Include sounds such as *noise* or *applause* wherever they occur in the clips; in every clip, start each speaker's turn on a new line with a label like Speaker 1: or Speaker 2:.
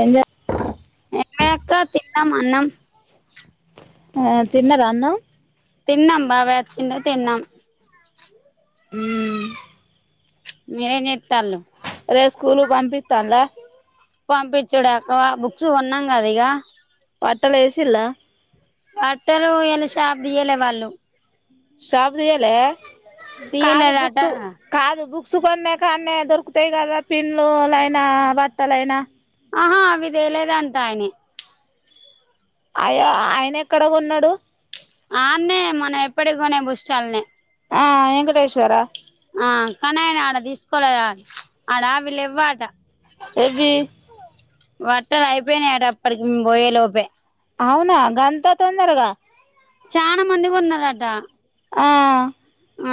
Speaker 1: ఎం *unintelligible*
Speaker 2: *unintelligible* తిన్నాం అన్నం
Speaker 1: ఆ తిన్నార అన్నం
Speaker 2: తిన్నం బాబయ్ ఒచ్చిండు తిన్నం
Speaker 1: ఊ
Speaker 2: *unintelligible*
Speaker 1: *unintelligible* స్కూలుకు పంపిస్తాల
Speaker 2: పంపిచూడక బుక్స్ కోన్నాం కద ఇగ
Speaker 1: *unintelligible*
Speaker 2: బట్టలు ఈయల షాప్ దియలే వాళ్ళు
Speaker 1: షాప్ దియాలే కాదు
Speaker 2: తీయలేదట
Speaker 1: బుక్స్ కాదు బుక్స్ కొన్న కాన్న దొరుకుతాయి కదా పిన్లులయినా బట్టలైనా
Speaker 2: ఆహా అవి తేలేదంట ఆయనే
Speaker 1: ఆయ ఆయనేక్కడ గొన్నడు
Speaker 2: ఆ ఆన్నె మనం ఎప్పడుగోనే బుస్టాల్ *unintelligible*
Speaker 1: ఆ వెంకటేశ్వర
Speaker 2: ఆ కానీ ఆయన ఆడ తీసుకోలే ఆడ *unintelligible*
Speaker 1: ఎవ్వి
Speaker 2: బట్టలు అయిపోయినయట అప్పటికి పోయే లోపే
Speaker 1: అవునా గంత తొందరగ
Speaker 2: చాల మంది కొన్నారట
Speaker 1: ఆ
Speaker 2: ఆ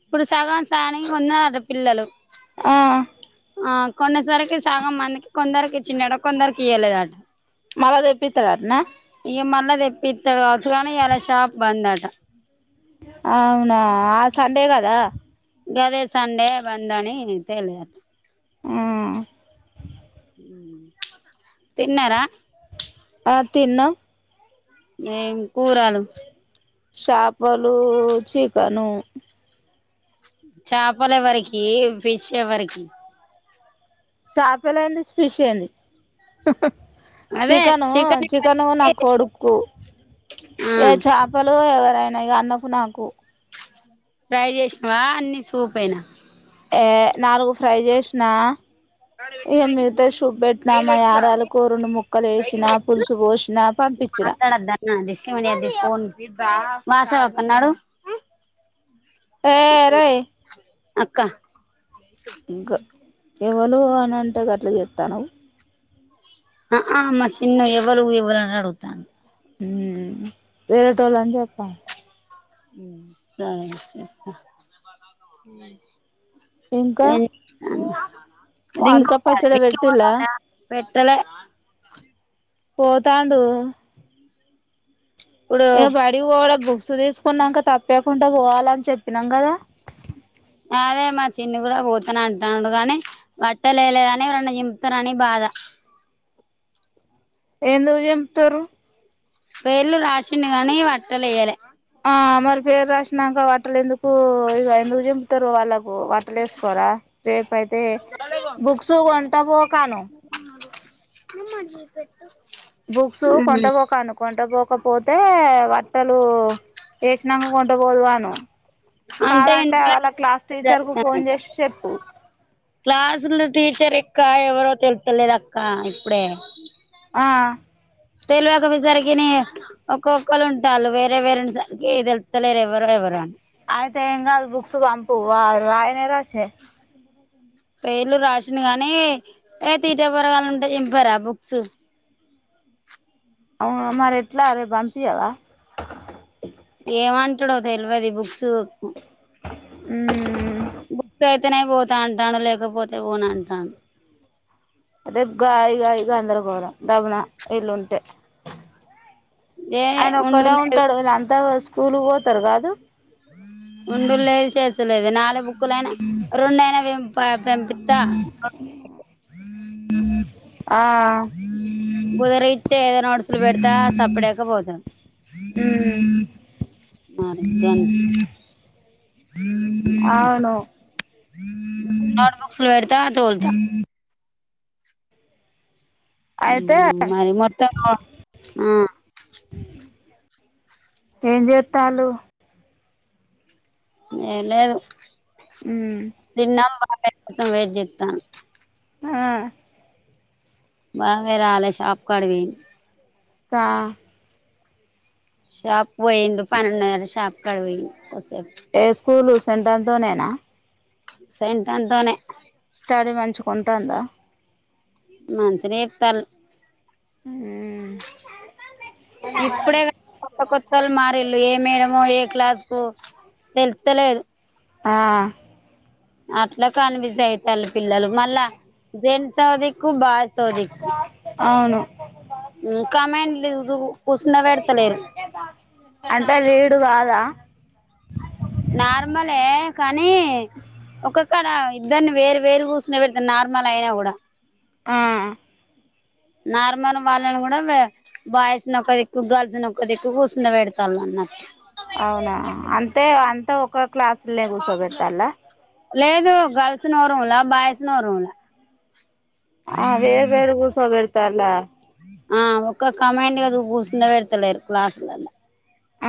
Speaker 2: ఇప్పుడు సగం స్యానింగ్ ఉన్న ఆడ పిల్లలు
Speaker 1: ఆ
Speaker 2: ఆ కొనేసరికి సగం మందికి కొందరకి ఇచ్చిండట. కొందరకి ఇయ్వలేదట
Speaker 1: మళ్ళ తెప్పిత్తడాటన
Speaker 2: ఇగ మళ్ళా తెప్పిత్తడు కావచ్చు గనీ ఇయల షాప్ బంద్ అట
Speaker 1: అవునా ఆ సండే గదా
Speaker 2: గదే సండే బందని తెల్స్
Speaker 1: ఊ
Speaker 2: తిన్నరా!
Speaker 1: ఆ తిన్నాం.
Speaker 2: ఏం కూరల్
Speaker 1: చాపలు చికెను
Speaker 2: చాపల్ ఎవరికి ఫిష్ ఎవరికి
Speaker 1: చాపలేందీ ఫీష్ ఏందీ.
Speaker 2: అదే
Speaker 1: చికను
Speaker 2: చికెన్
Speaker 1: చికను నా
Speaker 2: ఎవరికి
Speaker 1: కొడుక్కు
Speaker 2: ఆ
Speaker 1: ఏ చాపలు ఎవరైనా ఇగ అన్న కు నాకు
Speaker 2: ఫ్రై జేశినవా అన్ని సూపేన
Speaker 1: ఏ నాలుగు ఫ్రై జేశిన ఇగ మిగితాయి షూప్ బెట్టిన మా యారాలుకు రెండు ముక్కలు ఏశిన పులుసు పోసిన పంపిచ్చిన
Speaker 2: *inaudible* మాసవక్క నడువు
Speaker 1: ఏ రేయ్
Speaker 2: అక్క
Speaker 1: క ఎవలు అని అంటే గట్ల జేతనవ్
Speaker 2: ఆహా మా చిన్ను ఎవరు ఎవలనడుగుతాండు
Speaker 1: ఉమ్ వేరేటోళ్ళన్ జెప్పాలి.
Speaker 2: సరే
Speaker 1: ఇంకా
Speaker 2: ఏన్ *inaudible*
Speaker 1: మామిడికాయ పచ్చడి
Speaker 2: విక్కీ
Speaker 1: పెట్టిల్లా
Speaker 2: పోతండ పెట్టలే
Speaker 1: పోతాండు
Speaker 2: ఇప్పుడు
Speaker 1: ఇగ బయ ఇగబోడ బుక్స్ తీసుకున్నంక తప్పియకుంట పోవాలన్ చెప్పినం గదా
Speaker 2: అదే మా చిన్ని గూడ పోతనంటండు గనీ వట్టలేయలేదని ఎవరన్న చింపుంతరని బాధ
Speaker 1: ఎందుకు జింపుతరు.
Speaker 2: పేర్లు రాషిండు గనీ వట్టలేయలే
Speaker 1: ఆ మరి పేరు రాశినంకా వట్టలు ఎందుకు ఇగ ఎందుకు జింపుతరు వాళ్ళకు వట్టలు వేసుకోరా రేపుయితే బుక్స్ గొంటబోకను
Speaker 2: *unintelligible*
Speaker 1: బుక్స్ కొంటబోకను కొంట బోకపోతే వట్టలు ఏషినాంక కొంట బోదువను.
Speaker 2: అంటే
Speaker 1: కాదంటే
Speaker 2: ఇంట్లో
Speaker 1: వాళ్ళ క్లాస్ టీచర్ కు ఫోన్ జెషీ చెప్పు
Speaker 2: క్లాసులు టీచర్ ఇంక ఎవరో తెలుత్తలేదు అక్క ఇప్పుడే
Speaker 1: ఆ
Speaker 2: తెలివక పోసరికనే ఒక్కొక్కళ్ళ ఉంటాల్లు వేరే వేరే ఉండే సరికి తెలుతలేరు ఎవరో ఎవరో అని
Speaker 1: అయతే ఏంగాద్ బుక్స్ పంపు వా రాయనే రాసె
Speaker 2: పేర్లు రాషిండు గనీ ఏ తీట పోరగాళ్ళు ఉంటే జింపర బుక్స్
Speaker 1: అవును మరెట్ల రేప్ బంపియవా!
Speaker 2: ఏమంటడో తెల్వది బుక్స్కు
Speaker 1: ఉమ్
Speaker 2: బుక్ అయితేనే పోతా అంటాండు లేకపోతే పోనంటాండు
Speaker 1: రేపు గాయ గాయి గందరగరం దబున ఇల్లుంటే
Speaker 2: ఏ
Speaker 1: ఆయన
Speaker 2: ఉండు
Speaker 1: ఒక్కడే
Speaker 2: లేదు
Speaker 1: ఉంటాడు వాళ్ళు అంతా స్కూల్ పోతారు కాదు
Speaker 2: ఉండులేదు చేస్తలేదు నాలుగు బుక్కులైనా రెండైనా పంపిస్తా
Speaker 1: అ ఆ
Speaker 2: బుదరిచ్చే ఏదో నోట్సులు పెడతా సప్పడేక పోతడ్
Speaker 1: ఉమ్
Speaker 2: మార్గానా
Speaker 1: ఆవును
Speaker 2: నోట్ బుక్స్లు పేడతా తోల్తా
Speaker 1: అయితే
Speaker 2: మరి మొత్తం ఆ
Speaker 1: ఏం చేస్తాలు
Speaker 2: ఏ లేదు
Speaker 1: ఉమ్
Speaker 2: తిన్నం బాబాయ్ కోసం వెయిట్ చేస్తానం
Speaker 1: ఆ
Speaker 2: బాబాయ్ రాలే షాప్ కాడికి పోయి
Speaker 1: క్క
Speaker 2: షాప్ పోయిండు పనినున్నది షాప్ కాడి పోయ్యి కొద్దిసేపు
Speaker 1: ఏ స్కూలు సెంటర్తో నేనా
Speaker 2: సైంటన్తోనే
Speaker 1: స్టడీ మంచికుంటాందా
Speaker 2: మంచిగానే చెప్తాల్
Speaker 1: ఉ
Speaker 2: ఇప్పుడే కా కొత్త కొత్తలు మారిళు ఏ మేడమో ఏ క్లాస్కు తెలుస్తలేదు
Speaker 1: ఆ
Speaker 2: అట్ల కన్ఫ్యూజ్ అవుతాలు పిల్లలు మళ్ళా జన్సోదిక్కు బాగా
Speaker 1: అవును
Speaker 2: ఊ కమాండ్ కూసుండ పెడతలేరు
Speaker 1: అంటే లీడు కాదా
Speaker 2: నార్మలే కానీ ఒక్కక్కడా ఇద్దరిని వేరు వేరు కూర్చునే పెడతారు నార్మల్ అయినా కూడా
Speaker 1: ఆ
Speaker 2: నార్మల్ వాళ్ళని కూడా వే బాయ్స్ నొక్క దిక్కు గర్ల్స్ నొక్క దిక్కు కుసున పెడతాన్నకి
Speaker 1: అవునా అంతే అంతా ఒక క్లాసులే గూసోపెడతాంలా
Speaker 2: లేదు గర్ల్స్ నో రూంలా బాయ్స్ నో రూంలా
Speaker 1: ఆ వేరు వేరు కూసుంట పెడతాల
Speaker 2: ఆ ఒక్క కమాండ్ అ కూసుండ పెడుతలేరు క్లాస్ల
Speaker 1: ఉ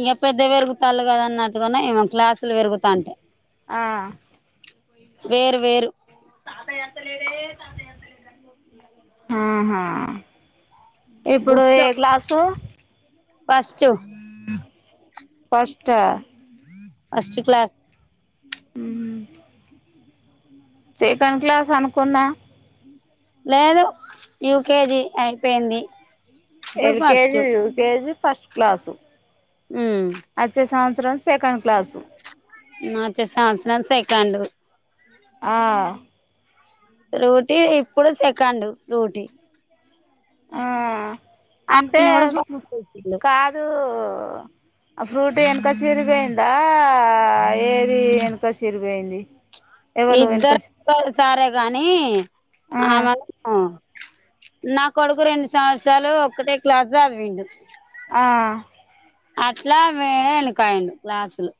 Speaker 2: ఇగ పెద్ద పెరుగుతాల్లు గదా అన్నట్టుగన్నా ఏమో క్లాసులు పెరుగుతాంటే
Speaker 1: ఆ
Speaker 2: వేరు వేరు
Speaker 1: ఆహా ఇప్పుడు
Speaker 2: బుక్స్ లో
Speaker 1: ఏ క్లాసు
Speaker 2: ఫస్ట్
Speaker 1: ఫస్టా
Speaker 2: ఫస్ట్ క్లాస్
Speaker 1: ఊహు సెకండ్ క్లాస్ అనుకున్నా
Speaker 2: లేదు యూ కే జీ అయిపొయింది
Speaker 1: L K G U K G first class
Speaker 2: ఊ
Speaker 1: అచ్చే సంవత్సరం సెకండ్ క్లాసు
Speaker 2: నచ్చే సంవత్సరం సెకెండు
Speaker 1: ఆ
Speaker 2: రోటీ ఇప్పుడు సెకండ్ రోటీ
Speaker 1: ఆ అంటే
Speaker 2: ఆపిల్ని కూడా
Speaker 1: ము
Speaker 2: ఫస్ట్ చేసిండు
Speaker 1: కాదూ ఆ ఫ్రూటు ఎనక సిరి బొయిందా ఏదీ ఎనక సిరి బొయింది *inaudible*
Speaker 2: ఇద్దరు *inaudible* క్సారే గానీ
Speaker 1: ఆ
Speaker 2: ఆమె అన్ నా కొడుకు రెండు సంవత్సరాలు ఒక్కటే క్లాస్ సదివిండు
Speaker 1: ఆ
Speaker 2: అట్లా వే ఎనుకయిండు క్లాసులు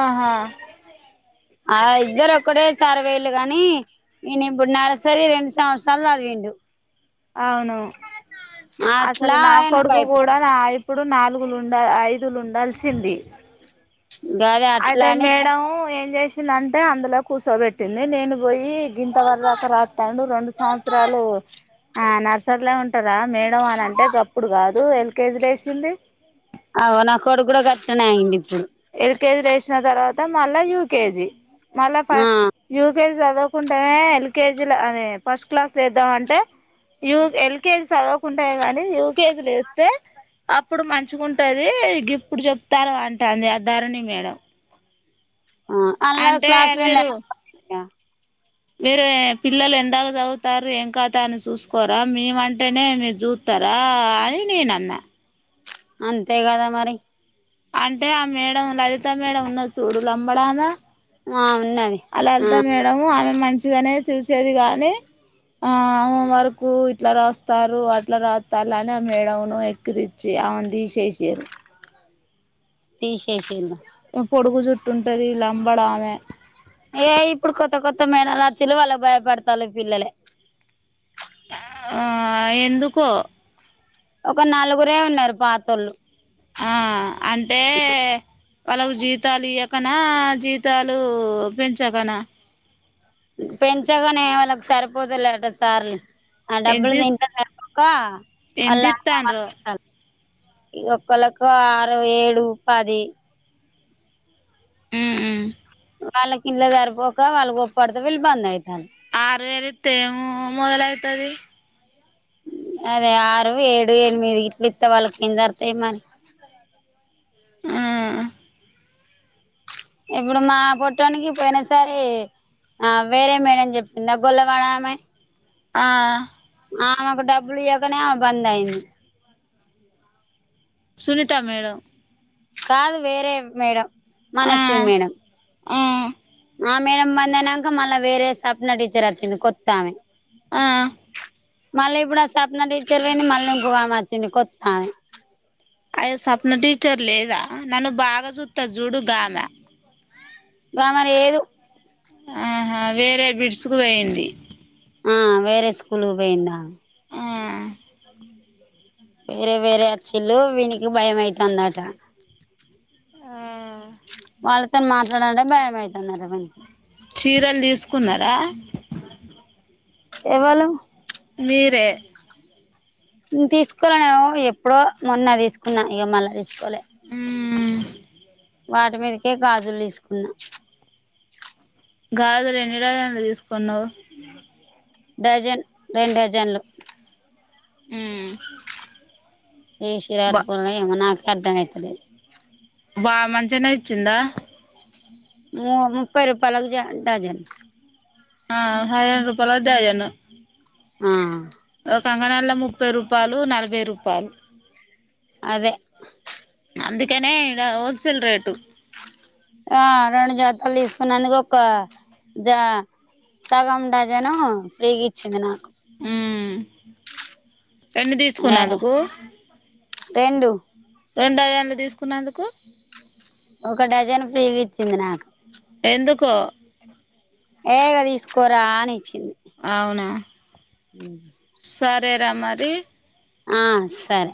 Speaker 1: ఆహా
Speaker 2: ఆ ఇద్దరు ఒకటే సారి వోయిల్లు గానీ ఇయన ఇప్పుడు నర్సరి రెండు సంవత్సరాలు సదివిండు
Speaker 1: అవున్ అసలు
Speaker 2: అట్లా
Speaker 1: నా
Speaker 2: వెనక
Speaker 1: కొడుకు
Speaker 2: అయిపోయిండు
Speaker 1: గూడా నా ఇప్పుడు నాలుగు లుండ ఐదుల ఉండాల్సింది
Speaker 2: గదే అట్లా
Speaker 1: అయితే
Speaker 2: అని
Speaker 1: మే డం ఏం జేసిందంటే అందులో కూసోబెట్టింది నేను బొయ్యి గింత వరదాకా రాత్తాండు రొండ్ సంవత్సరాలూ ఆ నర్సరిలా ఉంటరా మేడం అని అంటే సప్పుడు గాదు ఎల్ కే జి ల ఏసింది
Speaker 2: అవ్ నా కొడుక్ గుడా గట్లనే అయ్యిండ్ ఇప్పుడు
Speaker 1: ఎల్ కే జీ ల ఏసిన తర్వాత మళ్ళ యూ కే జీ మళ్ళ ప
Speaker 2: ఆ
Speaker 1: యూ కే జి జదువకుంటే ఎల్ కే జి ల అదే ఫస్ట్ క్లాస్ ఏద్దాం అంటే యూ ఎల్ కే జి సదువకుంటే గానీ యూ కే జి లేస్తే అప్పుడు మంచిగుంటదీ గిప్పుడు జెప్తారు అంటాంది ఆ ధరణి మేడం
Speaker 2: అల్ల
Speaker 1: అంటే
Speaker 2: క్లాస్లు ఎల్లే
Speaker 1: మీరు మీరు ఏ పిల్లలు ఎందాక సవుతారు ఏం కతా అని సూసుకోరా మేమంటేనే మీర్ జూ త్తరా అని నేన్ అన్న
Speaker 2: అంతే గదా మరి
Speaker 1: అంటే ఆ మేడం లలితా మేడం ఉన్నది సూడు లంబడామె
Speaker 2: ఆ ఉన్నది
Speaker 1: అలా
Speaker 2: ఆ
Speaker 1: లల్తా మేడం ఆమె మంచిదనే చూసేది గానీ ఆ ఆమె వర్కు ఇట్ల రాస్తారు అట్ల రాత్తాల్లు అని ఆ మేడం ను ఎక్కిరి చి ఆమెన్ దీశేశి
Speaker 2: తీషేషిన్ర
Speaker 1: పొడుగు జుట్టుంటది లంబడామె
Speaker 2: ఏ ఇప్పుడు కొత్త కొత్త మేనాలు వచీలు వాళ్లకు భయపడతారు పిల్లలే
Speaker 1: ఆ ఎందుకో
Speaker 2: ఒక నలుగురే ఉన్నారు పాతొళ్ళు
Speaker 1: ఆ అంటే వాల్లకు జీతాలు ఇయకనా జీతాలూ పెంచకనా
Speaker 2: పెంచగనే వాళ్ళకి సరిపోతలేదట సాలరి ఆ
Speaker 1: ఎంత
Speaker 2: డబ్బులు ఇం సరిపో కా
Speaker 1: ఎంత
Speaker 2: అల్లానా
Speaker 1: ఇత్తాండ్రో
Speaker 2: మనకు ఏం కాదు ఇగ ఒకలకు ఆరు ఏడు పది
Speaker 1: ఊ ఊ
Speaker 2: వాళ్ళకిండ్ల సరిపోకా వాళ్లు గొప్పడత వీళ్ళు బంద్ ఐతాలు
Speaker 1: ఆరువెలితే ఏం మొదలయితీ
Speaker 2: అదే ఆరు ఏడు ఎనిమిది ఇట్లు ఇత్తే వాళ్ళకేందర్తయ్ మరి
Speaker 1: ఆ
Speaker 2: ఇప్పుడు మా పోట్టోనికి పోయిన సారి ఆ వేరే మేడం చెప్పిందా గొల్లవాడమే
Speaker 1: ఆ
Speaker 2: ఆమెకు డబ్బులు ఇయ్యకనే ఆమె బంద్ అయింది
Speaker 1: సునీతా మేడం
Speaker 2: కాదు వేరే మేడం మనస్వి మేడం
Speaker 1: ఊ
Speaker 2: ఆ మేడం బంద అనక మళ్ళా వేరే సప్న టీచర్ వచ్చింది కొత్తామే
Speaker 1: ఆ
Speaker 2: మళ్ళీ ఇప్పుడు ఆ సప్న టీచర్ పోయింది మళ్ళీ ఇంకో ఆమె వచ్చింది కొత్త ఆమె
Speaker 1: అయ స్వప్న టీచర్ లేదా నన్ను బాగా చూస్తది చూడు గామె
Speaker 2: గామ లేదు
Speaker 1: ఆహా వేరే బిడ్సుకు పోయింది
Speaker 2: ఆ వేరే స్కూలుకి పోయిండ
Speaker 1: ఆ
Speaker 2: వేరే వేరే అచ్చిలు వీనికి భయం అయితందట
Speaker 1: ఆ
Speaker 2: వాళ్ళతో మాట్లాడంటే భయమయితుందంట వీనికి
Speaker 1: చీరలు తీసుకున్నరా
Speaker 2: ఎవలు
Speaker 1: మీరే
Speaker 2: తీసుకోవాల నేను ఎప్పుడో మొన్న తీసుకున్నా ఇగ మళ తీసుకోలె
Speaker 1: ఊ
Speaker 2: వాటి మీదకే గాజులు తీసుకున్నా
Speaker 1: గాజులు ఎన్ని డజన్లు తీసుకున్నావు
Speaker 2: డజన్ రెండు డజన్లు
Speaker 1: ఊ
Speaker 2: ఏ చీర కట్టుకునుడో ఏమో నాకే అర్థమైతలేదు
Speaker 1: బా మంచిగానే ఇచ్చిందా
Speaker 2: మో ముప్పై రూపాలకు జ డజన్
Speaker 1: ఆ హదేన్ రూపాలకు డజను
Speaker 2: ఆ
Speaker 1: ఒ కంగనాల్ల ముప్పై రూపాలు నలభై రూపాలు
Speaker 2: అదే
Speaker 1: అందుకేనే ఇక్కడ హోల్సేల్ రేటు
Speaker 2: ఆ రెండు జతలు తీసుకున్నందుకు ఒక్క జా సగం డజాను ఫ్రీగిచ్చింది నాకు
Speaker 1: ఉమ్ రెండు
Speaker 2: ఏ
Speaker 1: తీసుకున్నందుకు
Speaker 2: రెండు
Speaker 1: రెండు డజన్లు తీసుకున్నందుకు
Speaker 2: ఒక డజన్ ఫ్రీగిచ్చింది నాక్
Speaker 1: ఎందుకో
Speaker 2: ఏ ఇగ దీసుకోరా అనీచ్చింది
Speaker 1: అవునా
Speaker 2: ఉహ్
Speaker 1: సరేరా మరి
Speaker 2: ఆ సరే